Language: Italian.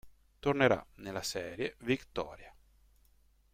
Tornerà, nella serie, Victoria.